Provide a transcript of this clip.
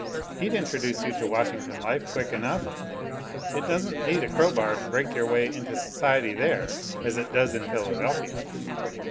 He'd introduce you to Washington life quick enough. It doesn't need a crowbar to break your way into society there as it does in Philadelphia.